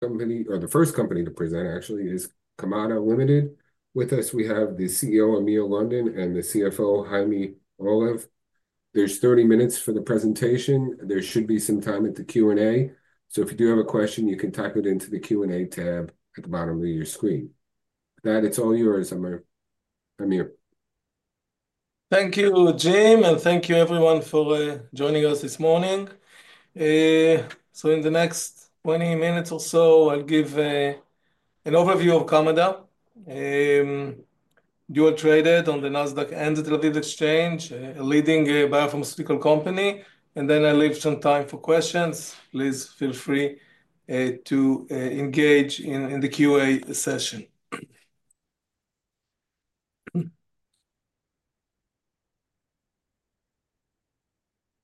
Company or the first company to present, actually, is Kamada Ltd. With us, we have the CEO, Amir London, and the CFO, Chaime Orlev. There are 30 minutes for the presentation. There should be some time at the Q&A. If you do have a question, you can type it into the Q&A tab at the bottom of your screen. That, it's all yours, Amir. Thank you, Chaime, and thank you, everyone, for joining us this morning. In the next 20 minutes or so, I'll give an overview of Kamada. Dual-listed on the NASDAQ and the Tel Aviv Stock Exchange, a leading biopharmaceutical company. I'll leave some time for questions. Please feel free to engage in the Q&A session.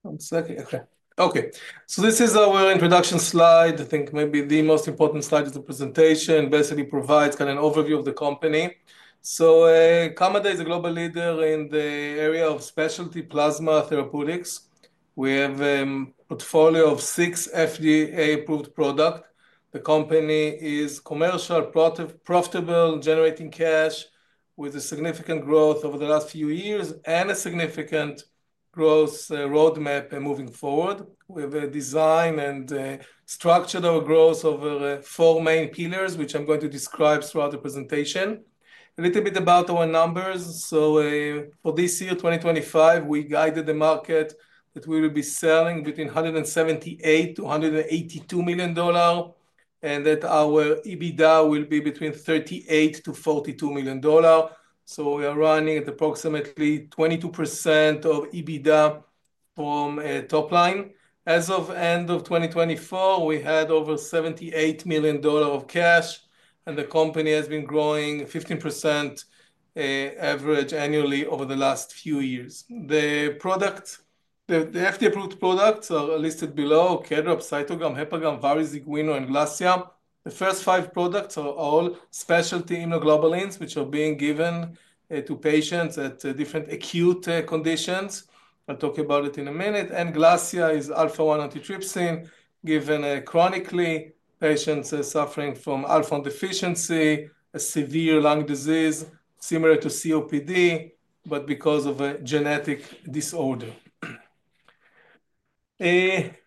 One second. Okay. This is our introduction slide. I think maybe the most important slide of the presentation basically provides kind of an overview of the company. Kamada is a global leader in the area of specialty plasma therapeutics. We have a portfolio of six FDA-approved products. The company is commercial, profitable, generating cash with significant growth over the last few years and a significant growth roadmap moving forward. We have designed and structured our growth over four main pillars, which I'm going to describe throughout the presentation. A little bit about our numbers. For this year, 2025, we guided the market that we will be selling between $178-$182 million and that our EBITDA will be between $38-$42 million. We are running at approximately 22% of EBITDA from top line. As of end of 2024, we had over $78 million of cash, and the company has been growing 15% CAGR over the last few years. The FDA-approved products are listed below: KD-RAB, CYTOGAM, HEPAGAM, VARIZIG, and GLASSIA. The first five products are all specialty immunoglobulins, which are being given to patients at different acute conditions. I'll talk about it in a minute. GLASSIA is alpha-1 antitrypsin given chronically to patients suffering from alpha-1 deficiency, a severe lung disease similar to COPD, but because of a genetic disorder.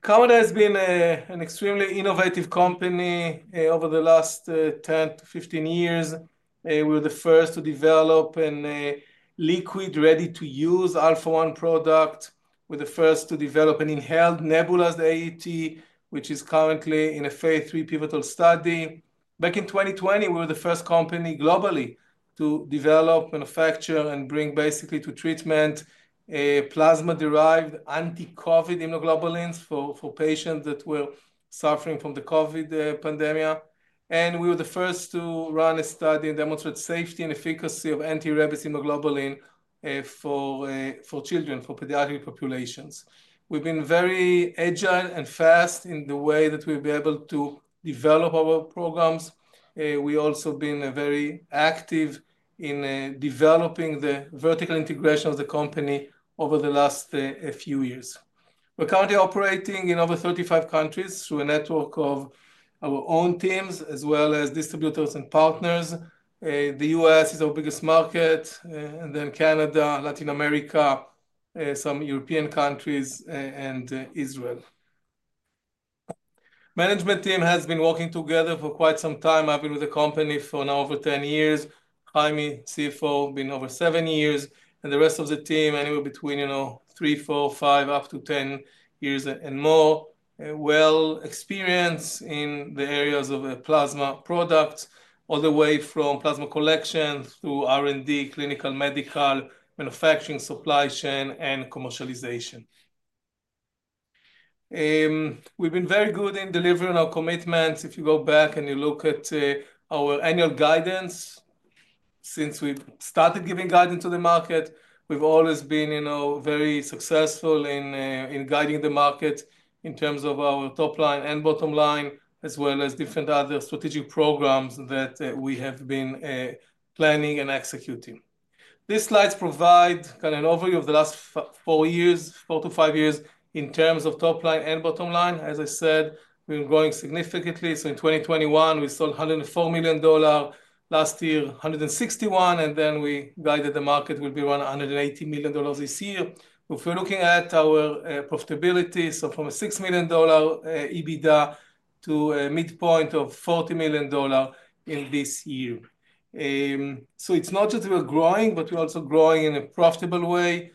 Kamada has been an extremely innovative company over the last 10 to 15 years. We were the first to develop a liquid ready-to-use alpha-1 product. We were the first to develop an inhaled nebulized AAT, which is currently in a phase three pivotal study. Back in 2020, we were the first company globally to develop, manufacture, and bring basically to treatment plasma-derived anti-COVID immunoglobulins for patients that were suffering from the COVID pandemic. We were the first to run a study and demonstrate safety and efficacy of Anti-herpetic immunoglobulin for children, for pediatric populations. We've been very agile and fast in the way that we've been able to develop our programs. We've also been very active in developing the vertical integration of the company over the last few years. We're currently operating in over 35 countries through a network of our own teams as well as distributors and partners. The US is our biggest market, and then Canada, Latin America, some European countries, and Israel. The management team has been working together for quite some time. I've been with the company for now over 10 years. Chaime, CFO, been over seven years, and the rest of the team anywhere between three, four, five, up to 10 years and more. Well experienced in the areas of plasma products all the way from plasma collection through R&D, clinical, medical, manufacturing, supply chain, and commercialization. We've been very good in delivering our commitments. If you go back and you look at our annual guidance, since we started giving guidance to the market, we've always been very successful in guiding the market in terms of our top line and bottom line, as well as different other strategic programs that we have been planning and executing. These slides provide kind of an overview of the last four years, four to five years in terms of top line and bottom line. As I said, we're growing significantly. In 2021, we sold $104 million. Last year, $161 million. We guided the market we'll be around $180 million this year. If we're looking at our profitability, from a $6 million EBITDA to a midpoint of $40 million in this year. It's not just we're growing, but we're also growing in a profitable way.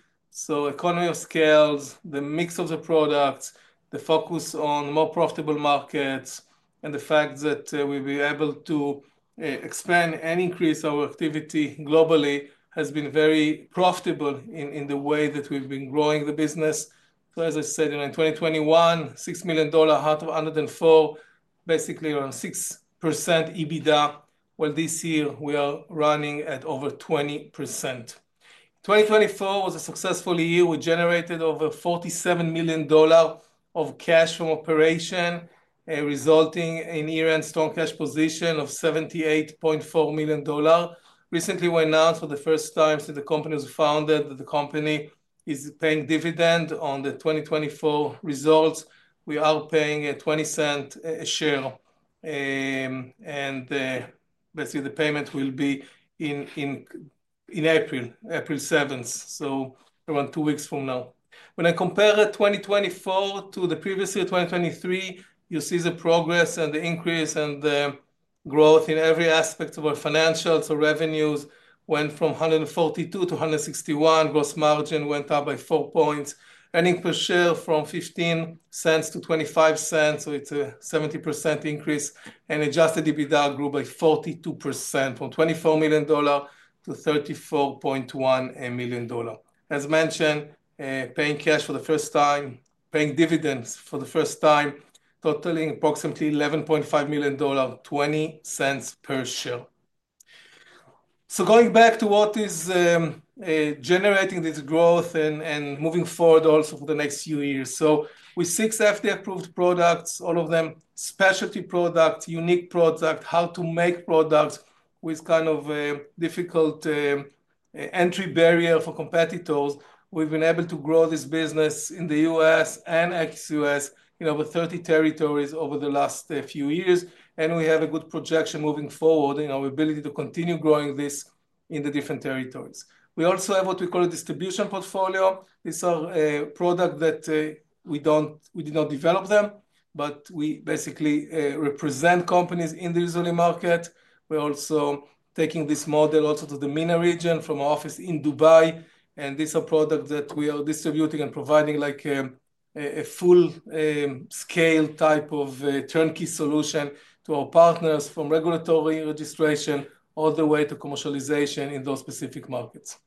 Economy of scales, the mix of the products, the focus on more profitable markets, and the fact that we'll be able to expand and increase our activity globally has been very profitable in the way that we've been growing the business. As I said, in 2021, $6 million out of $104 million, basically around 6% EBITDA, while this year we are running at over 20%. 2024 was a successful year. We generated over $47 million of cash from operation, resulting in year-end strong cash position of $78.4 million. Recently, we announced for the first time since the company was founded that the company is paying dividend on the 2024 results. We are paying $0.20 a share. Basically, the payment will be in April, April 7th, so around two weeks from now. When I compare 2024 to the previous year, 2023, you see the progress and the increase and the growth in every aspect of our financials. Our revenues went from $142 million to $161 million. Gross margin went up by four percentage points. Earnings per share from $0.15 to $0.25. It is a 70% increase. Adjusted EBITDA grew by 42% from $24 million to $34.1 million. As mentioned, paying cash for the first time, paying dividends for the first time, totaling approximately $11.5 million, $0.20 per share. Going back to what is generating this growth and moving forward also for the next few years. With six FDA-approved products, all of them specialty products, unique products, how-to-make products with kind of a difficult entry barrier for competitors, we have been able to grow this business in the US and across the US in over 30 territories over the last few years. We have a good projection moving forward in our ability to continue growing this in the different territories. We also have what we call a distribution portfolio. These are products that we did not develop, but we basically represent companies in the Israeli market. We're also taking this model to the MENA region from our office in Dubai. These are products that we are distributing and providing like a full-scale type of turnkey solution to our partners from regulatory registration all the way to commercialization in those specific markets.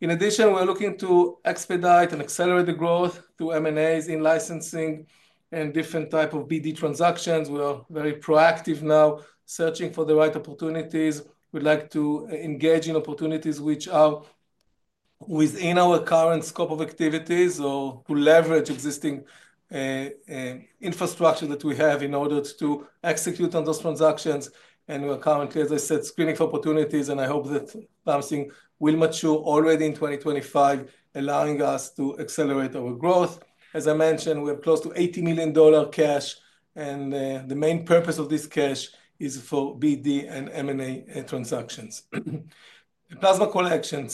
In addition, we're looking to expedite and accelerate the growth through M&As, in-licensing, and different types of Business development (BD) transactions. We are very proactive now searching for the right opportunities. We'd like to engage in opportunities which are within our current scope of activities or to leverage existing infrastructure that we have in order to execute on those transactions. We're currently, as I said, screening for opportunities. I hope that something will mature already in 2025, allowing us to accelerate our growth. As I mentioned, we have close to $80 million cash. The main purpose of this cash is for BD and M&A transactions. Plasma collection.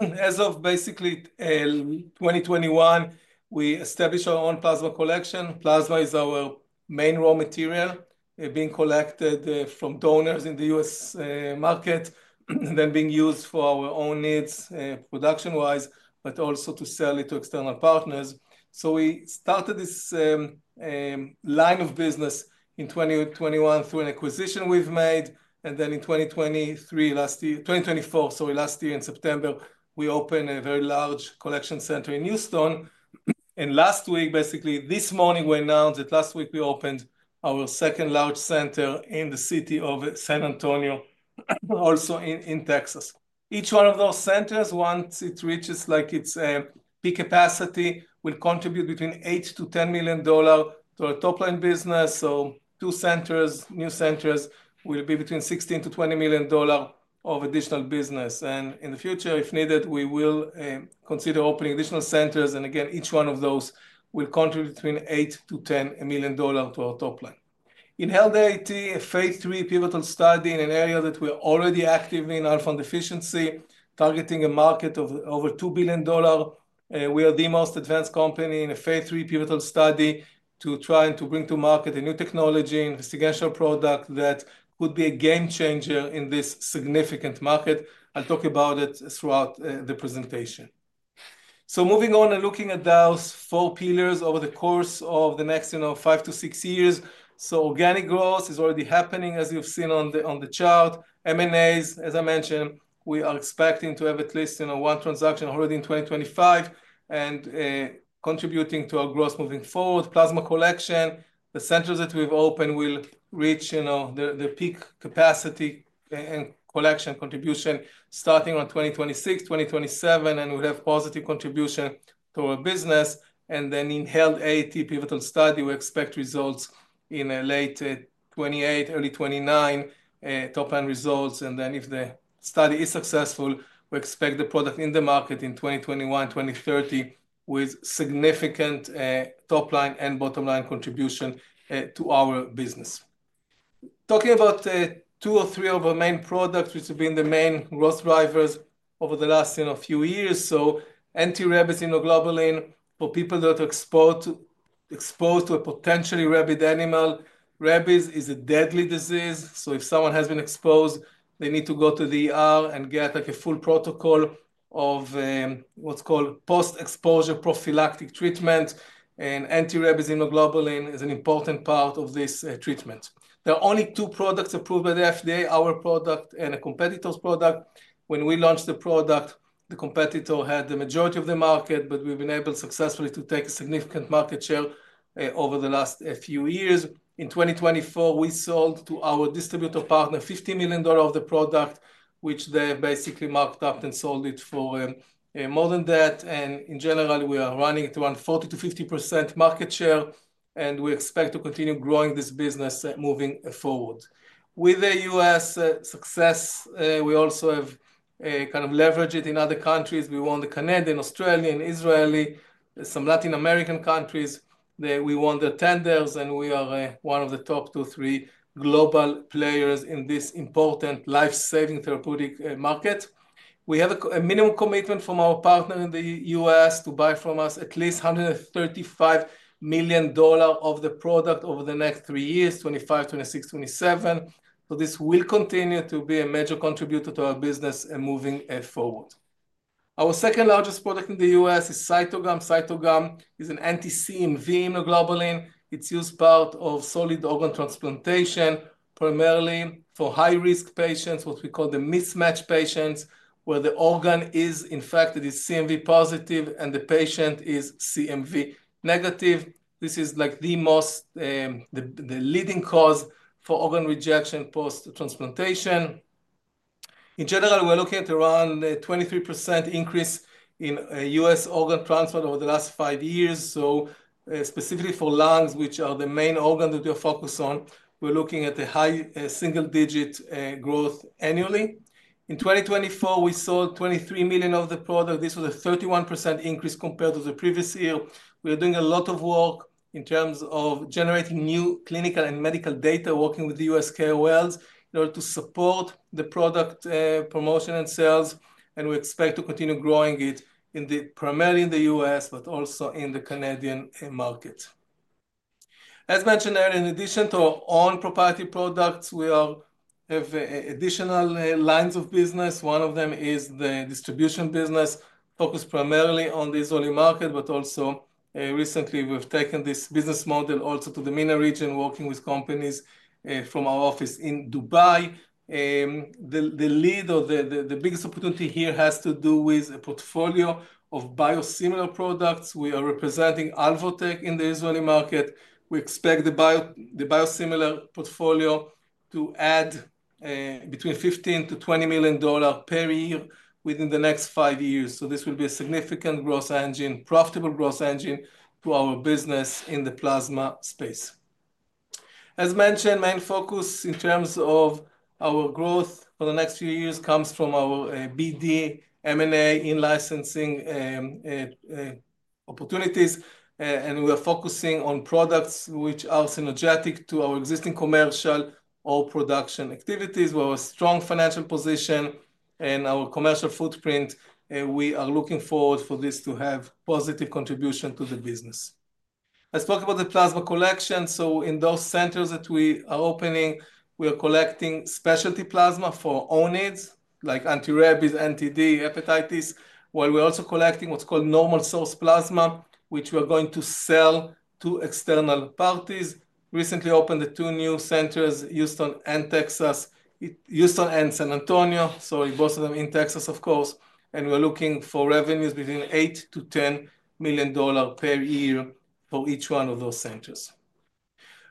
As of basically 2021, we established our own plasma collection. Plasma is our main raw material being collected from donors in the US market and then being used for our own needs production-wise, but also to sell it to external partners. We started this line of business in 2021 through an acquisition we've made. In 2024, sorry, last year in September, we opened a very large collection center in Houston. Last week, basically this morning, we announced that last week we opened our second large center in the city of San Antonio, also in Texas. Each one of those centers, once it reaches its peak capacity, will contribute between $8-$10 million to our top-line business. Two centers, new centers, will be between $16-$20 million of additional business. In the future, if needed, we will consider opening additional centers. Each one of those will contribute between $8-$10 million to our top line. Inhaled AAT, a phase three pivotal study in an area that we're already active in, alpha-1 deficiency, targeting a market of over $2 billion. We are the most advanced company in a phase three pivotal study to try and bring to market a new technology, investigational product that could be a game changer in this significant market. I'll talk about it throughout the presentation. Moving on and looking at those four pillars over the course of the next five to six years. Organic growth is already happening, as you've seen on the chart. M&As, as I mentioned, we are expecting to have at least one transaction already in 2025 and contributing to our growth moving forward. Plasma collection, the centers that we've opened will reach the peak capacity and collection contribution starting in 2026, 2027, and we have positive contribution to our business. Then inhaled AAT pivotal study, we expect results in late 2028, early 2029, top-line results. If the study is successful, we expect the product in the market in 2029, 2030 with significant top-line and bottom-line contribution to our business. Talking about two or three of our main products, which have been the main growth drivers over the last few years. Anti-rabies immunoglobulin for people that are exposed to a potentially rabid animal. Rabies is a deadly disease. If someone has been exposed, they need to go to the and get a full protocol of what's called post-exposure prophylactic treatment. Anti-rabies immunoglobulin is an important part of this treatment. There are only two products approved by the FDA, our product and a competitor's product. When we launched the product, the competitor had the majority of the market, but we've been able successfully to take a significant market share over the last few years. In 2024, we sold to our distributor partner $50 million of the product, which they basically marked up and sold it for more than that. In general, we are running at around 40-50% market share. We expect to continue growing this business moving forward. With the US success, we also have kind of leveraged it in other countries. We won the Canadian and Australian and Israeli, some Latin American countries. We won the tenders, and we are one of the top two or three global players in this important life-saving therapeutic market. We have a minimum commitment from our partner in the US to buy from us at least $135 million of the product over the next three years, 2025, 2026, 2027. This will continue to be a major contributor to our business and moving forward. Our second largest product in the US is CYTOGAM. CYTOGAM is an anti-CMV immunoglobulin. It's used part of solid organ transplantation, primarily for high-risk patients, what we call the mismatch patients, where the organ is infected, is CMV positive, and the patient is CMV negative. This is like the leading cause for organ rejection post-transplantation. In general, we're looking at around a 23% increase in US organ transfer over the last five years. Specifically for lungs, which are the main organ that we are focused on, we're looking at a high single-digit growth annually. In 2024, we sold $23 million of the product. This was a 31% increase compared to the previous year. We are doing a lot of work in terms of generating new clinical and medical data, working with the US KOLs in order to support the product promotion and sales. We expect to continue growing it primarily in the US, but also in the Canadian market. As mentioned earlier, in addition to our own proprietary products, we have additional lines of business. One of them is the distribution business focused primarily on the Israeli market, but also recently we've taken this business model also to the MENA region, working with companies from our office in Dubai. The lead or the biggest opportunity here has to do with a portfolio of biosimilar products. We are representing Alvotech in the Israeli market. We expect the biosimilar portfolio to add between $15-$20 million per year within the next five years. This will be a significant growth engine, profitable growth engine to our business in the plasma space. As mentioned, main focus in terms of our growth for the next few years comes from our BD, M&A, in-licensing opportunities. We are focusing on products which are synergetic to our existing commercial or production activities. We have a strong financial position and our commercial footprint. We are looking forward for this to have positive contribution to the business. Let's talk about the plasma collection. In those centers that we are opening, we are collecting specialty plasma for own needs like anti-rabies, anti-D, hepatitis, while we're also collecting what's called normal source plasma, which we are going to sell to external parties. Recently opened the two new centers, Houston and San Antonio. Sorry, both of them in Texas, of course. We're looking for revenues between $8-$10 million per year for each one of those centers.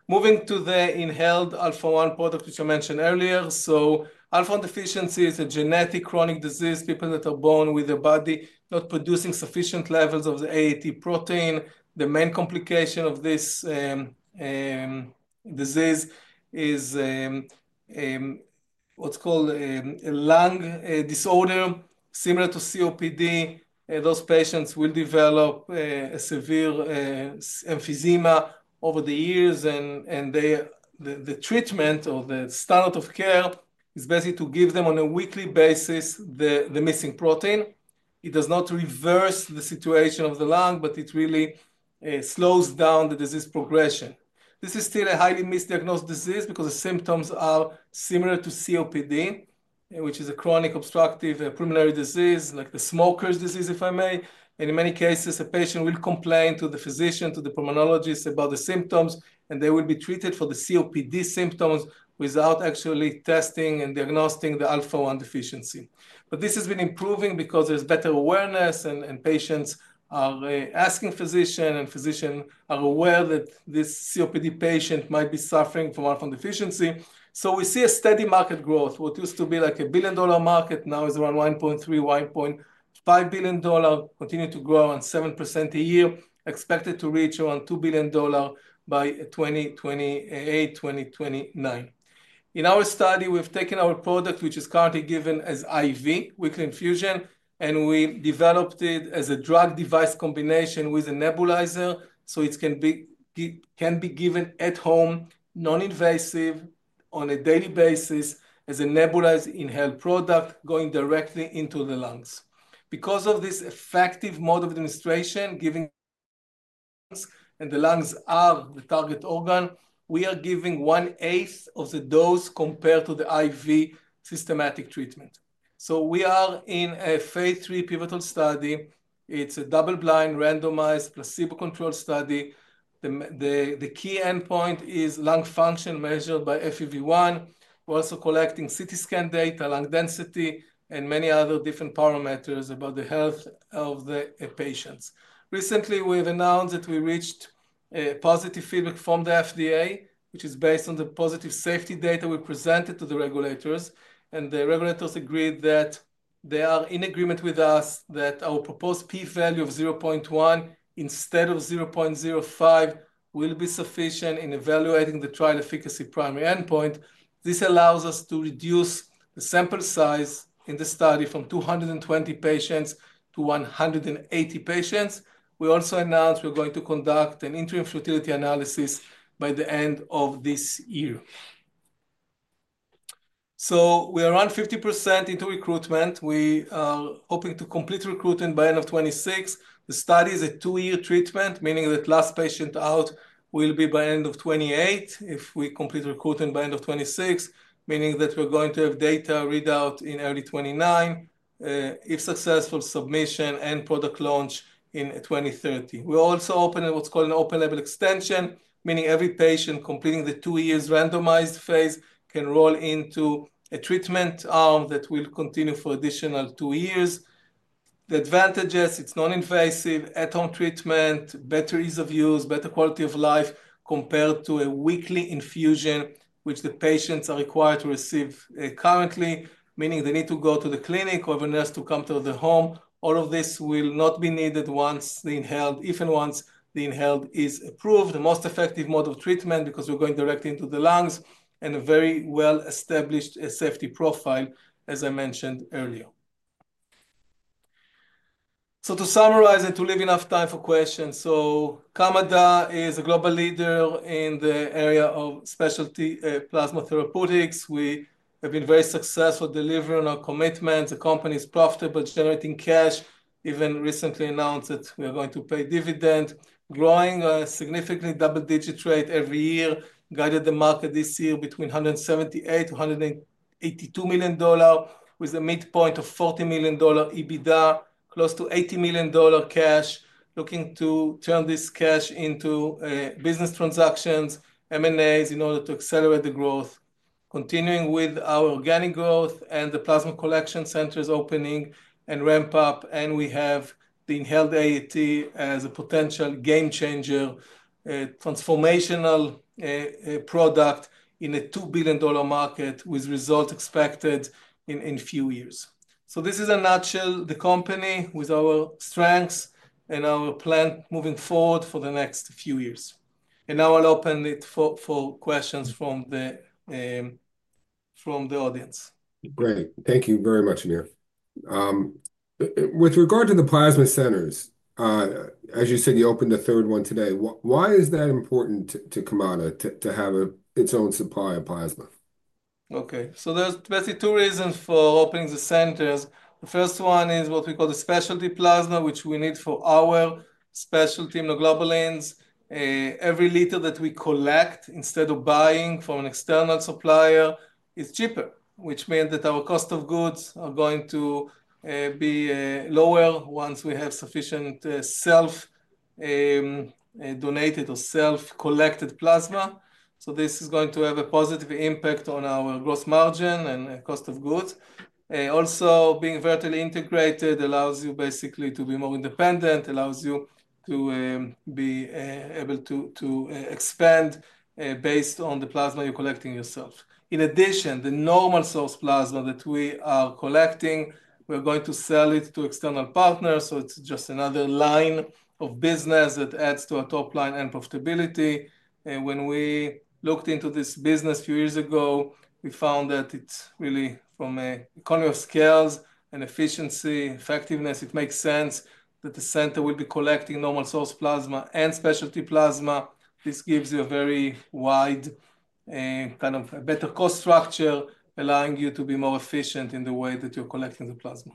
Moving to the inhale the Alpha-1 product, which I mentioned earlier. Alpha-1 deficiency is a genetic chronic disease. People that are born with a body not producing sufficient levels of the AAT protein. The main complication of this disease is what's called a lung disorder. Similar to COPD, those patients will develop a severe emphysema over the years. The treatment or the standard of care is basically to give them on a weekly basis the missing protein. It does not reverse the situation of the lung, but it really slows down the disease progression. This is still a highly misdiagnosed disease because the symptoms are similar to COPD, which is a chronic obstructive pulmonary disease, like the smoker's disease, if I may. In many cases, a patient will complain to the physician, to the pulmonologist about the symptoms, and they will be treated for the COPD symptoms without actually testing and diagnosing the Alpha-1 deficiency. This has been improving because there is better awareness and patients are asking physicians and physicians are aware that this COPD patient might be suffering from Alpha-1 deficiency. We see a steady market growth. What used to be like a billion-dollar market now is around $1.3-$1.5 billion, continuing to grow around 7% a year, expected to reach around $2 billion by 2028, 2029. In our study, we've taken our product, which is currently given as IV, weekly infusion, and we developed it as a drug-device combination with a nebulizer. It can be given at home, non-invasive, on a daily basis as a nebulized inhale product going directly into the lungs. Because of this effective mode of administration, giving lungs, and the lungs are the target organ, we are giving one-eighth of the dose compared to the IV systematic treatment. We are in a phase three pivotal study. It is a double-blind randomized placebo-controlled study. The key endpoint is lung function measured by FEV1. We're also collecting CT scan data, lung density, and many other different parameters about the health of the patients. Recently, we have announced that we reached positive feedback from the FDA, which is based on the positive safety data we presented to the regulators. The regulators agreed that they are in agreement with us that our proposed p-value of 0.1 instead of 0.05 will be sufficient in evaluating the trial efficacy primary endpoint. This allows us to reduce the sample size in the study from 220 patients to 180 patients. We also announced we're going to conduct an interim futility analysis by the end of this year. We are around 50% into recruitment. We are hoping to complete recruitment by end of 2026. The study is a two-year treatment, meaning that last patient out will be by end of 2028 if we complete recruitment by end of 2026, meaning that we're going to have data readout in early 2029, if successful, submission and product launch in 2030. We also opened what's called an open-label extension, meaning every patient completing the two years randomized phase can roll into a treatment arm that will continue for additional two years. The advantages, it's non-invasive, at-home treatment, better ease of use, better quality of life compared to a weekly infusion, which the patients are required to receive currently, meaning they need to go to the clinic or have a nurse to come to the home. All of this will not be needed once the inhaled, if and once the inhaled is approved, the most effective mode of treatment because we're going directly into the lungs and a very well-established safety profile, as I mentioned earlier. To summarize and to leave enough time for questions, Kamada is a global leader in the area of specialty plasma therapeutics. We have been very successful delivering on our commitments. The company is profitable, generating cash. Even recently announced that we are going to pay dividend, growing significantly double-digit rate every year, guided the market this year between $178-$182 million with a midpoint of $40 million EBITDA, close to $80 million cash, looking to turn this cash into business transactions, M&As in order to accelerate the growth, continuing with our organic growth and the plasma collection centers opening and ramp up. We have the inhaled AAT as a potential game changer, transformational product in a $2 billion market with results expected in a few years. This is a nutshell, the company with our strengths and our plan moving forward for the next few years. I will open it for questions from the audience. Great. Thank you very much, Amir. With regard to the plasma centers, as you said, you opened the third one today. Why is that important to Kamada to have its own supply of plasma? There are basically two reasons for opening the centers. The first one is what we call the specialty plasma, which we need for our specialty immunoglobulins. Every liter that we collect instead of buying from an external supplier is cheaper, which means that our cost of goods are going to be lower once we have sufficient self-donated or self-collected plasma. This is going to have a positive impact on our gross margin and cost of goods. Also, being vertically integrated allows you basically to be more independent, allows you to be able to expand based on the plasma you're collecting yourself. In addition, the normal source plasma that we are collecting, we're going to sell it to external partners. It is just another line of business that adds to our top line and profitability. When we looked into this business a few years ago, we found that it's really from an economy of scales and efficiency, effectiveness, it makes sense that the center will be collecting normal source plasma and specialty plasma. This gives you a very wide kind of a better cost structure, allowing you to be more efficient in the way that you're collecting the plasma.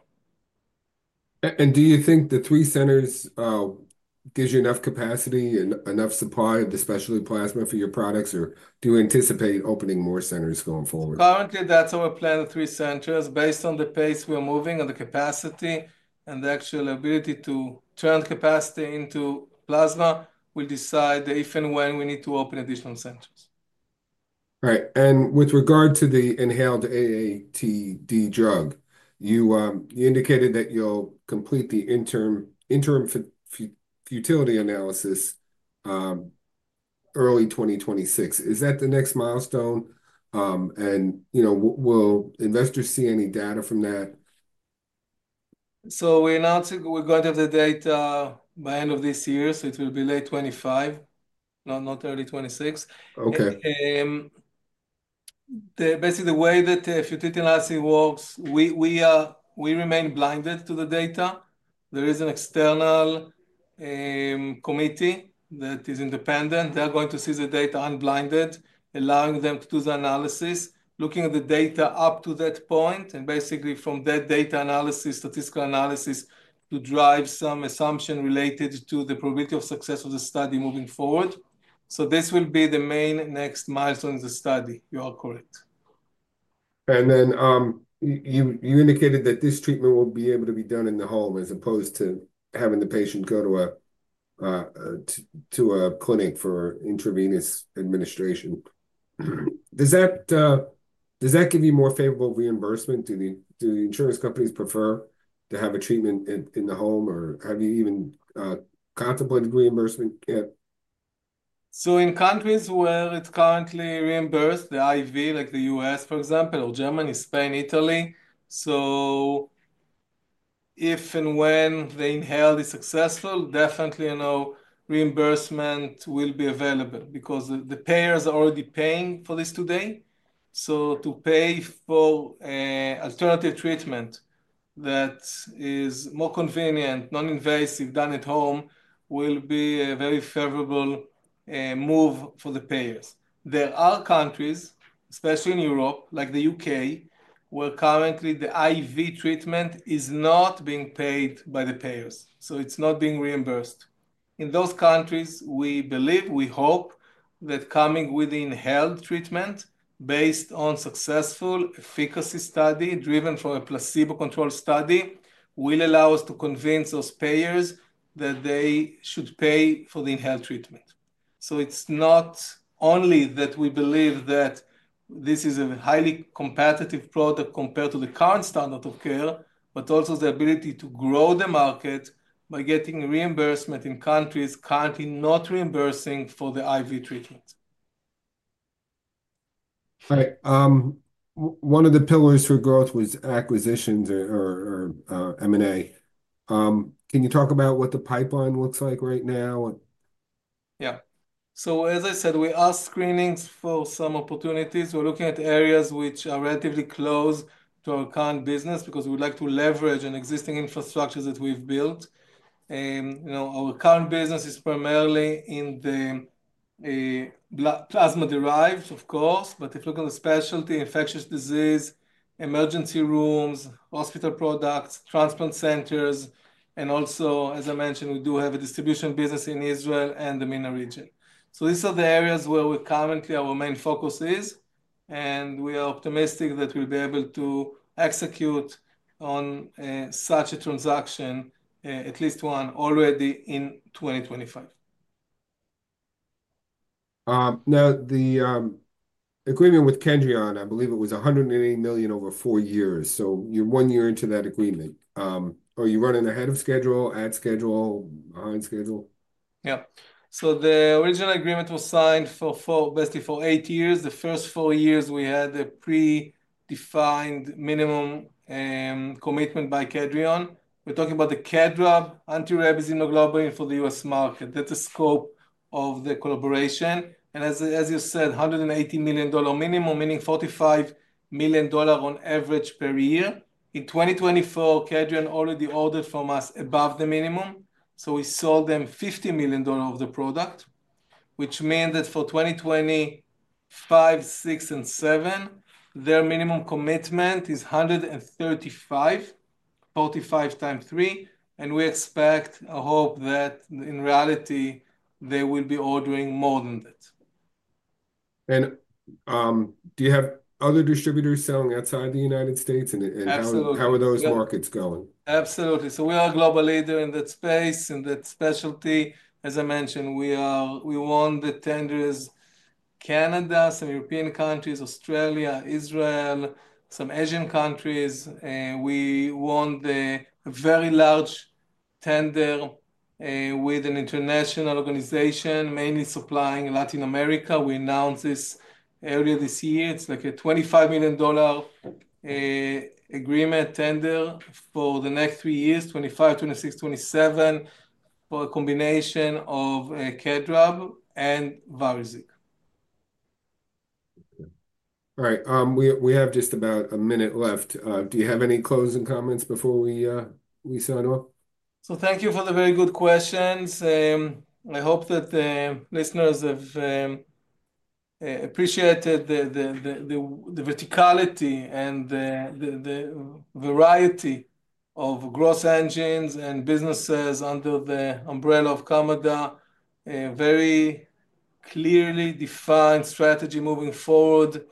Do you think the three centers give you enough capacity and enough supply of the specialty plasma for your products, or do you anticipate opening more centers going forward? Currently, that's our plan, the three centers. Based on the pace we're moving and the capacity and the actual ability to turn capacity into plasma, we'll decide if and when we need to open additional centers. Right. With regard to the inhaled AAT drug, you indicated that you'll complete the interim fertility analysis early 2026. Is that the next milestone? Will investors see any data from that? We're going to have the data by end of this year. It will be late 2025, not early 2026. Basically, the way that fertility analysis works, we remain blinded to the data. There is an external committee that is independent. They're going to see the data unblinded, allowing them to do the analysis, looking at the data up to that point, and basically from that data analysis, statistical analysis to drive some assumption related to the probability of success of the study moving forward. This will be the main next milestone in the study. You are correct. You indicated that this treatment will be able to be done in the home as opposed to having the patient go to a clinic for intravenous administration. Does that give you more favorable reimbursement? Do the insurance companies prefer to have a treatment in the home, or have you even contemplated reimbursement yet? In countries where it's currently reimbursed, the IV, like the U.S., for example, or Germany, Spain, Italy, if and when the inhale is successful, definitely reimbursement will be available because the payers are already paying for this today. To pay for alternative treatment that is more convenient, non-invasive, done at home will be a very favorable move for the payers. There are countries, especially in Europe, like the U.K., where currently the IV treatment is not being paid by the payers. It's not being reimbursed. In those countries, we believe, we hope that coming with the inhaled treatment based on successful efficacy study driven from a placebo-controlled study will allow us to convince those payers that they should pay for the inhaled treatment. It's not only that we believe that this is a highly competitive product compared to the current standard of care, but also the ability to grow the market by getting reimbursement in countries currently not reimbursing for the IV treatment. Right. One of the pillars for growth was acquisitions or M&A. Can you talk about what the pipeline looks like right now? Yeah. As I said, we asked screenings for some opportunities. We're looking at areas which are relatively close to our current business because we'd like to leverage an existing infrastructure that we've built. Our current business is primarily in the plasma-derived, of course, but if you look at the specialty, infectious disease, emergency rooms, hospital products, transplant centers, and also, as I mentioned, we do have a distribution business in Israel and the MENA region. These are the areas where currently our main focus is. We are optimistic that we'll be able to execute on such a transaction, at least one already in 2025. Now, the agreement with Kedrion, I believe it was $180 million over four years. You are one year into that agreement. Are you running ahead of schedule, at schedule, behind schedule? Yeah. The original agreement was signed for basically eight years. The first four years, we had a pre-defined minimum commitment by Kedrion. We are talking about the KD-RAB anti-rabies immunoglobulin for the U.S. market. That is the scope of the collaboration. As you said, $180 million minimum, meaning $45 million on average per year. In 2024, Kedrion already ordered from us above the minimum. We sold them $50 million of the product, which means that for 2025, 2026, and 2027, their minimum commitment is $135 million, $45 million times three. We expect or hope that in reality, they will be ordering more than that. Do you have other distributors selling outside the United States? How are those markets going? Absolutely. We are a global leader in that space, in that specialty. As I mentioned, we won the tenders: Canada, some European countries, Australia, Israel, some Asian countries. We won a very large tender with an international organization, mainly supplying Latin America. We announced this earlier this year. It's like a $25 million agreement tender for the next three years, 2025, 2026, 2027, for a combination of KD-RAB and VARIZIG. All right. We have just about a minute left. Do you have any closing comments before we sign off? Thank you for the very good questions. I hope that the listeners have appreciated the verticality and the variety of growth engines and businesses under the umbrella of Kamada. Very clearly defined strategy moving forward.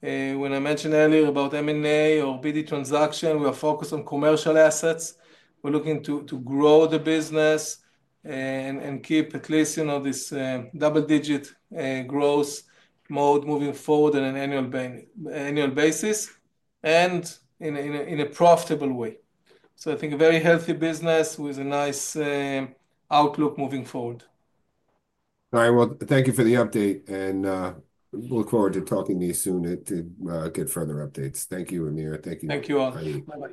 When I mentioned earlier about M&A or BD transaction, we are focused on commercial assets. We're looking to grow the business and keep at least this double-digit growth mode moving forward on an annual basis and in a profitable way. I think a very healthy business with a nice outlook moving forward. All right. Thank you for the update. We look forward to talking to you soon to get further updates. Thank you, Amir. Thank you. Thank you all.